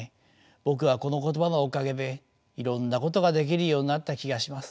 僕はこの言葉のおかげでいろんなことができるようになった気がします。